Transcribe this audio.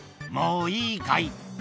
「もういいかい？」